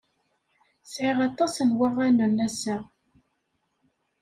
Sɛiɣ aṭas n waɣanen ass-a.